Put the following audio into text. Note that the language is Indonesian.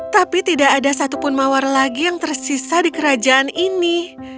tapi tidak ada satupun mawar lagi yang tersisa di kerajaan ini